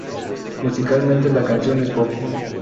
Musicalmente la canción es pop.